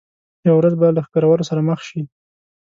یوه ورځ به له ښکرور سره مخ شي.